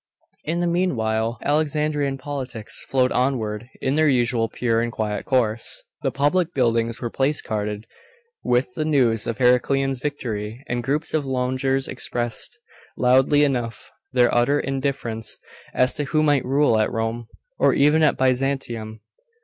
In the meanwhile, Alexandrian politics flowed onward in their usual pure and quiet course. The public buildings were placarded with the news of Heraclian's victory; and groups of loungers expressed, loudly enough, their utter indifference as to who might rule at Rome or even at Byzantium.